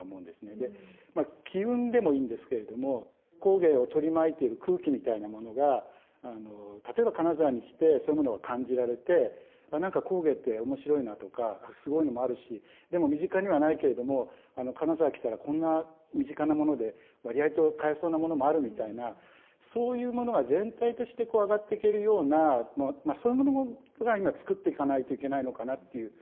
で「気運」でもいいんですけれども工芸を取り巻いている空気みたいなものが例えば金沢に来てそういうものが感じられて何か工芸って面白いなとかすごいのもあるしでも身近にはないけれども金沢来たらこんな身近なもので割合と買えそうなものもあるみたいなそういうものが全体としてこう上がっていけるようなそういうものが今作っていかないといけないのかなという気はしています。